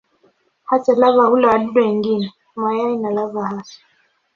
Hata lava hula wadudu wengine, mayai na lava hasa.